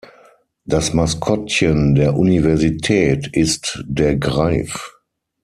Das Maskottchen der Universität ist der Greif.